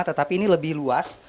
tetapi ini lebih luas